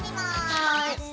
はい。